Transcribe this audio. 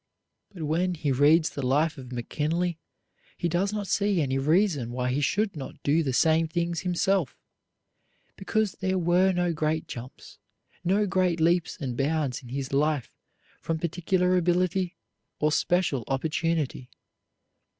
But when he reads the life of McKinley he does not see any reason why he could not do the same things himself, because there were no great jumps, no great leaps and bounds in his life from particular ability or special opportunity.